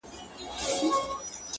هم جوګي وو هم دروېش هم قلندر وو!!